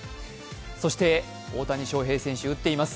そして大谷翔平選手、打っています